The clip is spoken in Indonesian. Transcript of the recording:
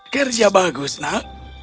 kerja bagus nak